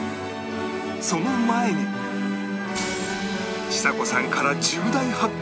その前にちさ子さんから重大発表が